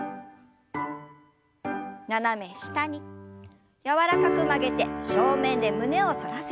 斜め下に柔らかく曲げて正面で胸を反らせます。